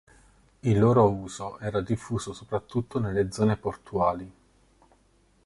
Il loro uso era diffuso soprattutto nelle zone portuali.